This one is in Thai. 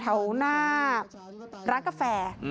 แถวหน้าร้านกาแฟ